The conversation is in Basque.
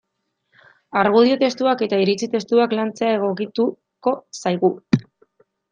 Argudio testuak eta iritzi testuak lantzea egokituko zaigu.